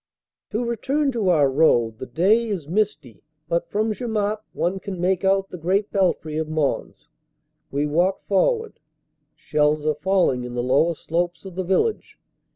To return to our road. The day is misty, but from Jemappes one can make out the great belfry of Mons. We walk forward. Shells are falling in the lower slopes of the village.